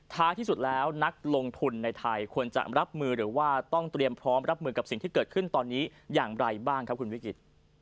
ที่สุดแล้วนักลงทุนในไทยควรจะรับมือหรือว่าต้องเตรียมพร้อมรับมือกับสิ่งที่เกิดขึ้นตอนนี้อย่างไรบ้างครับคุณวิกฤต